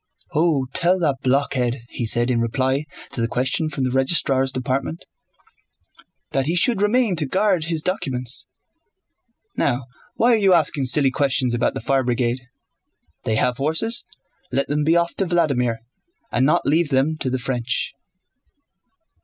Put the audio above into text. "Oh, tell that blockhead," he said in reply to the question from the Registrar's Department, "that he should remain to guard his documents. Now why are you asking silly questions about the Fire Brigade? They have horses, let them be off to Vladímir, and not leave them to the French."